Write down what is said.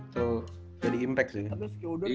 tuh jadi gimpax ini